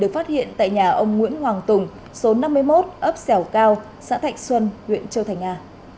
được phát hiện tại nhà ông nguyễn hoàng tùng số năm mươi một ấp sẻo cao xã thạch xuân huyện châu thành a